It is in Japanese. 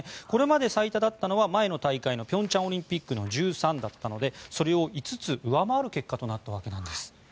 これまで最多だったのは前の大会の平昌オリンピックの１３だったのでそれを５つ上回る結果となったわけなんです。